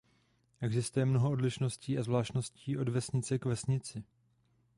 Existuje mnoho odlišností a zvláštností od vesnice k vesnici.